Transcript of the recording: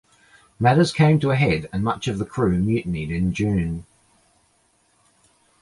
Matters came to a head and much of the crew mutinied in June.